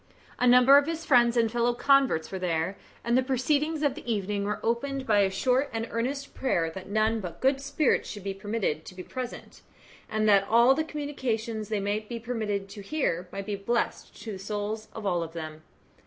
A number of his friends and fellow converts were there, and the proceedings of the evening were opened by a short and earnest prayer that none but good spirits should be permitted to be present, and that all the communications they might be permitted to hear might be blessed to the souls of all of them.